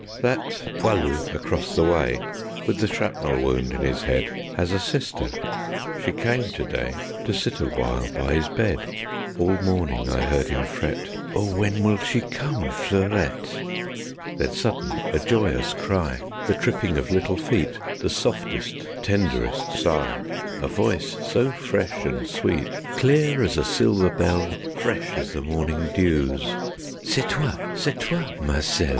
That 'poilu' across the way, With the shrapnel wound in his head, Has a sister: she came to day To sit awhile by his bed. All morning I heard him fret: "Oh, when will she come, Fleurette?" Then sudden, a joyous cry; The tripping of little feet; The softest, tenderest sigh; A voice so fresh and sweet; Clear as a silver bell, Fresh as the morning dews: "C'est toi, c'est toi, Marcel!